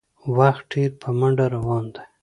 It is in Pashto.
وخت ډېر په منډه روان دی